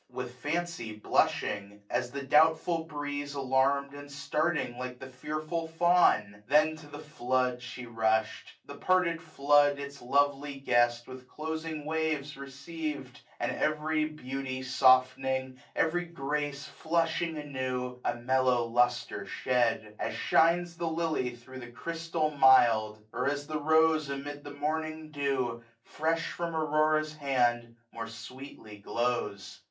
With fancy blushing, at the doubtful breeze Alarm'd, and starting like the fearful fewn ? Then to the flood she rushed ; the parted flood 1320 Its lovely guest with closing waves receiv*d j And every beauty foftening, every grace Flushing anew, a mellow lustre shed : As shines the lily thro' the chrystal mild ; Or as the rose amid the morning dewj 1325 Fresh from Aurora's hand, more sweetly glows.